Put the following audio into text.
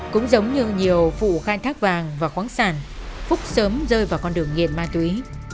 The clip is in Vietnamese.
cũng giống như nhiều vụ khai thác vàng và khoáng sản phúc sớm rơi vào con đường nghiện ma túy